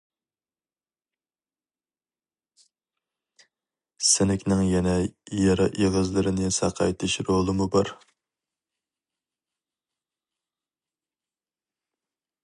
سىنكنىڭ يەنە يارا ئېغىزلىرىنى ساقايتىش رولىمۇ بار.